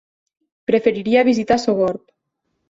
Preferiria visitar Sogorb.